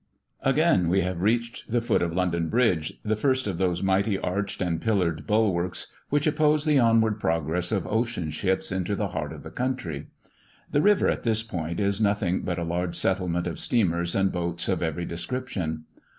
Again we have reached the foot of London Bridge, the first of those mighty arched and pillared bulwarks, which oppose the onward progress of ocean ships into the heart of the country. The river at this point is nothing but a large settlement of steamers and boats of every description.